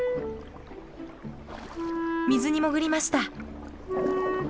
水に潜りました！